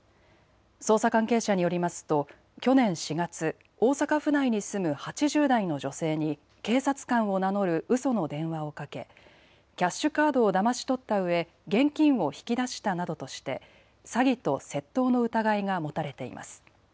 捜査関係者によりますと去年４月、大阪府内に住む８０代の女性に警察官を名乗るうその電話をかけキャッシュカードをだまし取ったうえ、現金を引き出したなどとして詐欺と窃盗の疑いが持たれています。